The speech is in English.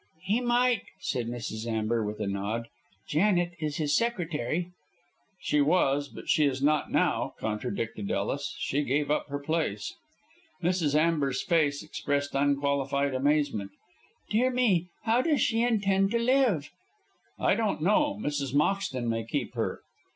"He might," said Mrs. Amber, with a nod. "Janet is his secretary." "She was, but she is not now," contradicted Ellis. "She gave up her place." Mrs. Amber's face expressed unqualified amazement. "Dear me, how does she intend to live?" "I don't know. Mrs. Moxton may keep her."